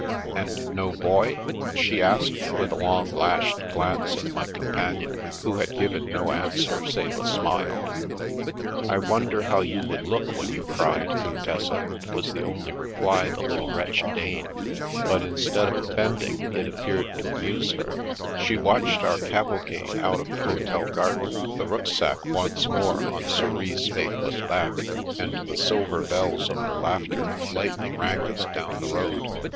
"And no boy?" she asked, with a long lashed glance at my companion, who had given no answer save a smile. " I wonder how you would look when you cried, 204 The Little Game of Flirtation 205 Contessa?" was the only reply the little wretch deigned, but instead of offending, it appeared to amuse her. She watched our cavalcade out of the hotel garden (the rucksack once more on Sour is' faithless back), and the silver bells of her laughter lightly rang us down the road.